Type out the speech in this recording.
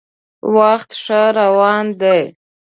وخت ښه روان دی.